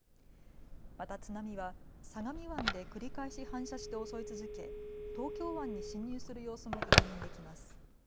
また津波は相模湾で繰り返し反射して襲い続け東京湾に侵入する様子も確認できます。